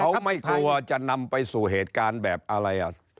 เขาไม่กลัวจะนำไปสู่เหตุการณ์แบบอะไรอ่ะ